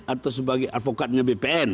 atau sebagai advokatnya bpn